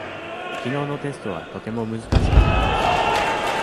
きのうのテストはとても難しかったです。